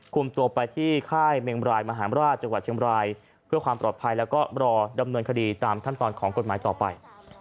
คุมตัวไปที่ค่ายเมงบรายมหาราชจังหวัดเชียงบรายเพื่อความปลอดภัยแล้วก็รอดำเนินคดีตามขั้นตอนของกฎหมายต่อไป